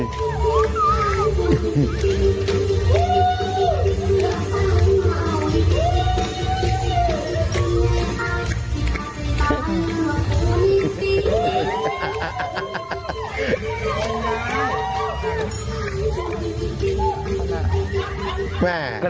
โดงสารแอป